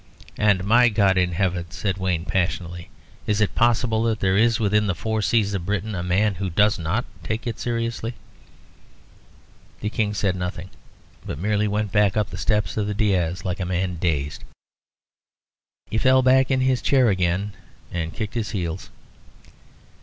"And my God in Heaven!" said Wayne passionately; "is it possible that there is within the four seas of Britain a man who does not take it seriously?" The King said nothing, but merely went back up the steps of the daïs, like a man dazed. He fell back in his chair again and kicked his heels.